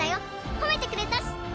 褒めてくれたし！